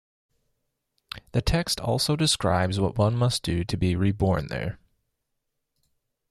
The text also describes what one must do to be reborn there.